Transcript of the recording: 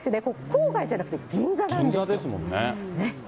郊外じゃなくて、銀座なんです。